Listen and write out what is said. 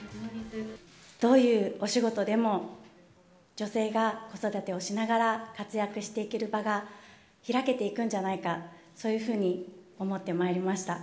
どういうお仕事でも、女性が子育てをしながら活躍していける場が開けていくんじゃないか、そういうふうに思ってまいりました。